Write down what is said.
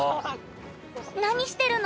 何してるの？